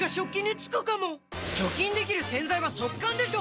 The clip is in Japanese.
除菌できる洗剤は速乾でしょ！